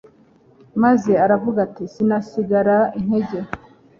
maze aravuga ati : "Sinasigarana intege,